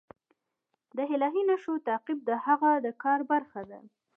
د الهي نښو تعقیب د هغه د کار برخه ده.